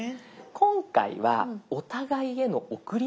今回はお互いへの贈り物。